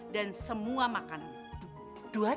dan semua makanan